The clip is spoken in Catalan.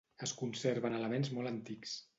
Es conserven elements molt antics.